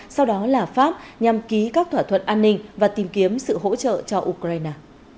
sau đó là pháp nhằm ký các thỏa thuận an ninh và tìm kiếm sự hỗ trợ cho ukraine